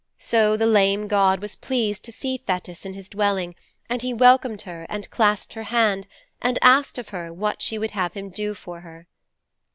So the lame god was pleased to see Thetis in his dwelling and he welcomed her and clasped her hand and asked of her what she would have him do for her.'